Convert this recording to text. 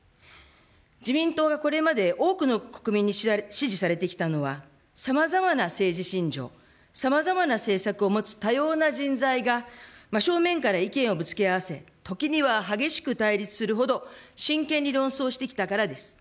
自民党がこれまで多くの国民に支持されてきたのは、さまざまな政治信条、さまざまな政策を持つ多様な人材が正面から意見をぶつけ合わせ、時には激しく対立するほど、真剣に論争してきたからです。